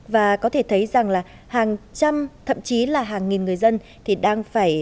và có thể thấy rằng là hàng trăm thậm chí là hàng nghìn người dân